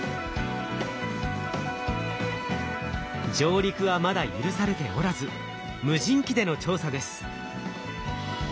上陸はまだ許されておらず無人機での調査です。